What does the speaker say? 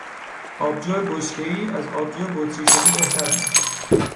آبجو بشکهای از آبجو بطری شده بهتر است.